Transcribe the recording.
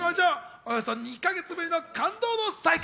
およそ２か月ぶりの感動の再会。